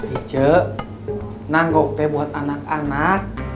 icek nanggok teh buat anak anak